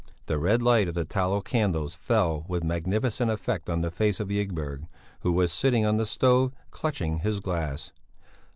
The red light of the tallow candles fell with magnificent effect on the face of Ygberg, who was sitting on the stove, clutching his glass.